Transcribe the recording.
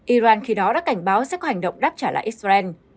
iran khi đó đã cảnh báo sẽ có hành động đáp trả lại israel